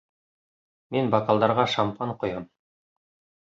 Мин бокалдарға шампан ҡоям!